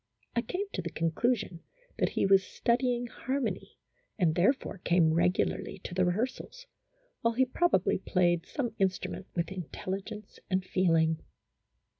I came to the conclusion that he was studying har mony, and therefore came regularly to the rehears als, while he probably played some instrument with intelligence and feeling.